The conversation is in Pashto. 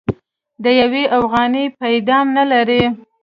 د يوې اوغانۍ پيدام نه لري.